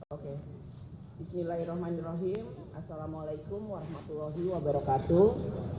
oke bismillahirrahmanirrahim assalamualaikum warahmatullahi wabarakatuh